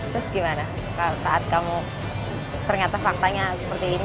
terus gimana saat kamu ternyata faktanya seperti ini